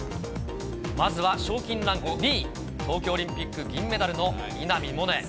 まずは賞金ランク２位、東京オリンピック銀メダルの稲見萌寧。